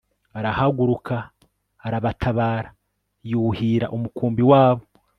arahaguruka arabatabara yuhira umukumbi wabo